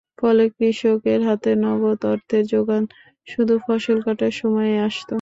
ফলে, কৃষকের হাতে নগদ অর্থের জোগান শুধু ফসল কাটার সময়েই আসত।